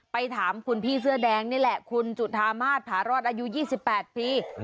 ไปถามคุณพี่เสื้อแดงนี่แหละคุณจุธามาศผารอดอายุ๒๘ปี